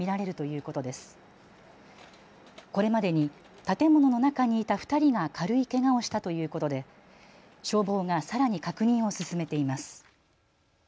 これまでに建物の中にいた２人が軽いけがをしたということで消防がさらに確認を進めています。